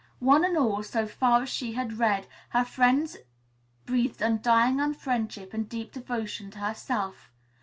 One and all, so far as she had read, her friends breathed undying friendship and deep devotion to herself.